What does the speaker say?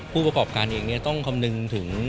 ผู้ประกอบการเองต้องคำนึงถึง